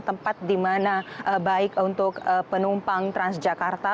tempat di mana baik untuk penumpang transjakarta